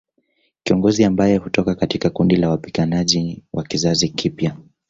Kiongozi ambaye hutoka katika kundi la wapiganaji wa kizazi kipya